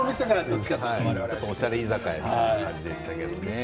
ちょっとおしゃれ居酒屋みたいな感じでしたね。